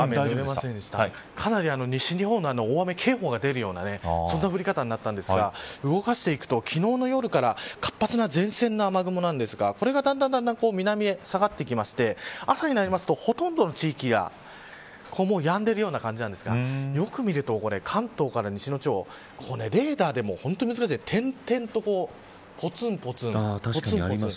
かなり西日本には大雨警報が出るようなそんな降り方になったんですが動かしていくと、昨日の夜から活発な前線の雨雲ですがこれがだんだん南に下がってきまして朝になりますとほとんどの地域ではもうやんでいるような感じですがよく見ると関東から西の地方レーダーでも点々とぽつんぽつん。